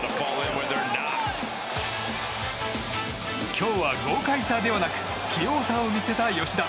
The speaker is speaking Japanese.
今日は豪快さではなく器用さを見せた吉田。